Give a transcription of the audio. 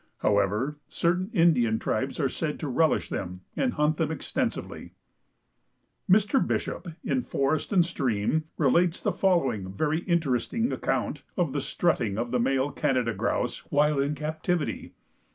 However, certain Indian tribes are said to relish them and hunt them extensively. Mr. Bishop, in "Forest and Stream," relates the following very interesting account of the strutting of the male Canada Grouse while in captivity.